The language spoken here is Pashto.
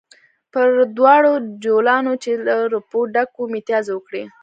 پر دواړو جوالونو چې له روپو ډک وو متیازې وکړې.